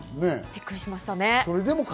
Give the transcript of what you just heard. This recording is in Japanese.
びっくりしましたね。